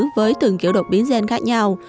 với từng kiểu đột biến gen khác nhau